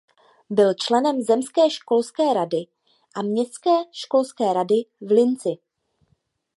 Byl členem zemské školské rady a městské školské rady v Linci.